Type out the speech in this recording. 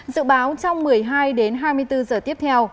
dự báo trong một mươi hai đến hai mươi bốn giờ tiếp theo